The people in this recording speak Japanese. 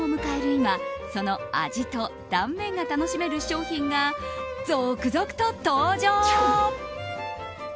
今その味と断面が楽しめる商品が続々と登場。